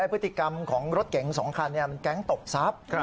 พฤติกรรมของรถเก่งสองคันเนี่ยมันแก๊งตบทรัพย์